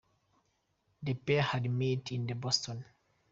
The pair had met in Boston.